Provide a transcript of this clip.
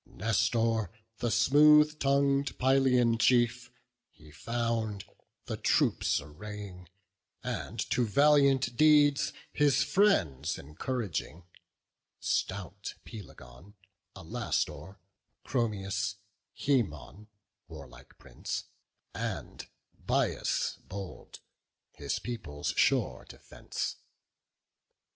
Nestor, the smooth tongu'd Pylian chief, he found The troops arraying, and to valiant deeds His friends encouraging; stout Pelagon, Alastor, Chromius, Haemon, warlike Prince, And Bias bold, his people's sure defence.